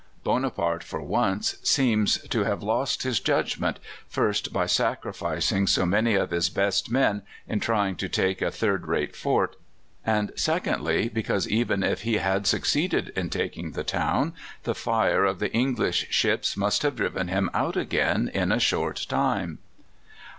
Bonaparte for once seems to have lost his judgment, first by sacrificing so many of his best men in trying to take a third rate fort; and, secondly, because, even if he had succeeded in taking the town, the fire of the English ships must have driven him out again in a short time.